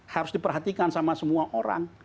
harus diperhatikan sama semua orang